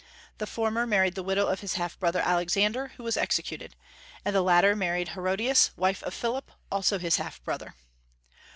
The former married the widow of his half brother Alexander, who was executed; and the latter married Herodias, wife of Philip, also his half brother.